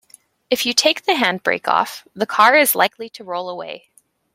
If you take the handbrake off, the car is likely to roll away